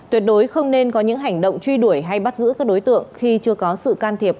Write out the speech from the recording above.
tuyệt đối không nên có những hành động truy đuổi hay bắt giữ các đối tượng khi chưa có sự can thiệp